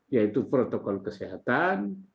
yaitu protokol kesehatan